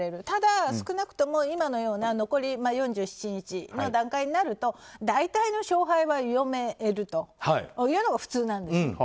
ただ少なくとも今のような残り４７日の段階になると大体の勝敗は読めるというのが普通なんです。